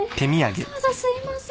わざわざすいません。